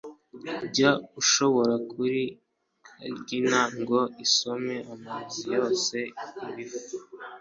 Njya gushora kuri Kagina, Ngo isome amazi yoze ibifu !